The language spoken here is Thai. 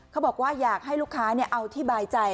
เขาบอกว่าอยากให้ลูกค้าเอาที่บายใจ